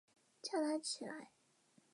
叫他起来